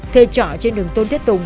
thời trọ trên đường tôn thiết tùng